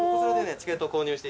チケット購入して。